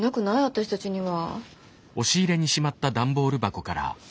私たちには。